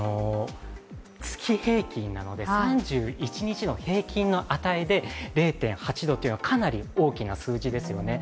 月平均なので、３１日の平均の値で０．８度というのはかなり大きな数字ですよね。